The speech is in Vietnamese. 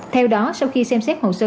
theo đó sau khi xem xét hồ sơ